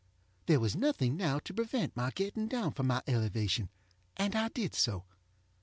There was nothing now to prevent my getting down from my elevation, and I did so.